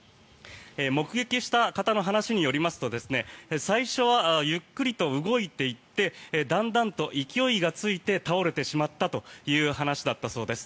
目撃した方の話によりますと最初はゆっくりと動いていってだんだんと勢いがついて倒れてしまったという話だったそうです。